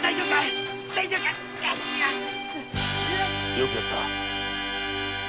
よくやった。